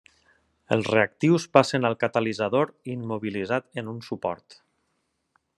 Els reactius passen al catalitzador immobilitzat en un suport.